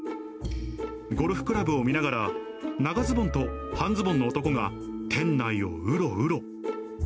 ゴルフクラブを見ながら、長ズボンと半ズボンの男が、店内をうろうろ。